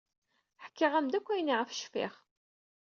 Ḥkiɣ-am-d akk ayen ayɣef cfiɣ.